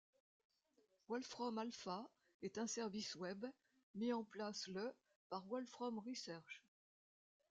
WolframAlpha est un service web mis en place le par Wolfram Research.